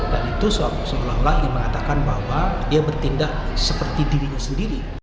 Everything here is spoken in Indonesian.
dan itu seolah olah yang mengatakan bahwa dia bertindak seperti dirinya sendiri